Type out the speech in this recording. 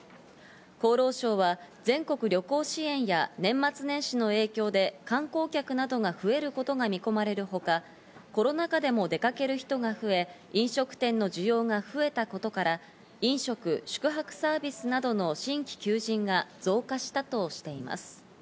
厚労省は全国旅行支援や年末年始の影響で観光客などが増えることが見込まれるほか、コロナ禍でも出かける人が増え、飲食店の需要が増えたことから、飲食・宿泊サービスなどの新規求人が増加したとしています。